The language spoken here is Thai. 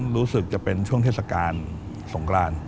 รู้สึกจะเป็นช่วงเทศกาลสงกราน